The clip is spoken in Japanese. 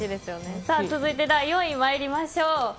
続いて第４位参りましょう。